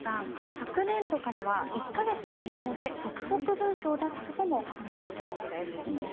昨年度からは１か月の未納で督促文書を出すことも始めているそうです。